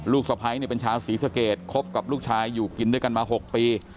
สะพ้ายเป็นชาวศรีสเกตคบกับลูกชายอยู่กินด้วยกันมา๖ปี